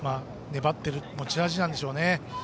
粘るのが持ち味なんでしょうね。